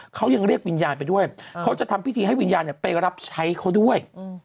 เขายังเรียกวิญญาณไปด้วยเขาจะทำพิธีให้วิญญาณไปรับใช้เขาด้วย